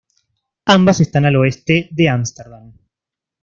Ambas están al oeste de Amsterdam.